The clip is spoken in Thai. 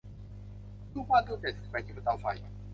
รูปวาดรูปใหญ่ถูกแขวนอยู่บนเตาไฟ